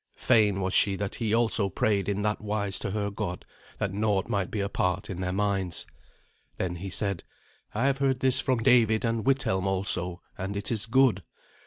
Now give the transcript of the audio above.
Fain was she that he also prayed in that wise to her God, that naught might be apart in their minds. Then he said, "I have heard this from David and Withelm also, and it is good.